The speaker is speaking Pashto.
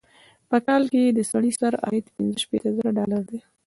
په کال کې یې د سړي سر عاید پنځه شپيته زره ډالره دی.